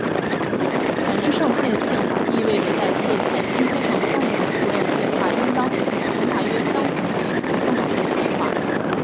感知上线性意味着在色彩空间上相同数量的变化应当产生大约相同视觉重要性的变化。